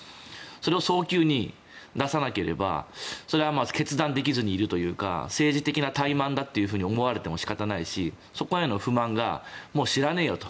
それを早急に出さなければそれは決断できずにいるというか政治的な怠慢だと思われても仕方ないしそこへの不満が知らねえよと。